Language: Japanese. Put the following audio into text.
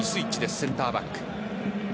センターバック。